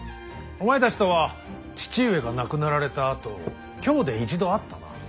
お前たちとは父上が亡くなられたあと京で一度会ったな。